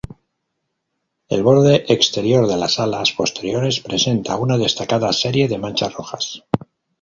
El borde exterior de las alas posteriores presenta una destacada serie de manchas rojas.